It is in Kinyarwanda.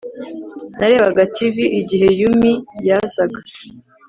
Narebaga TV igihe Yumi yazaga